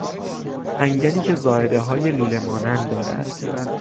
انگلی که زایدههای لوله مانند دارد